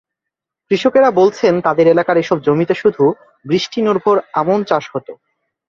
কৃষকেরা বলছেন, তাদের এলাকার এসব জমিতে শুধু বৃষ্টিনির্ভর আমন চাষ হতো।